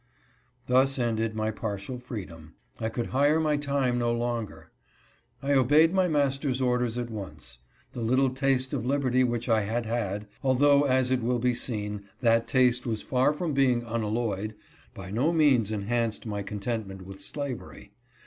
Thus ended my partial freedom. I could hire my time no longer. I obeyed my master's orders at once. The little taste of liberty which I had had — although as it will be seen, that taste was far from being unalloyed, — by no means enhanced my contentment with slavery.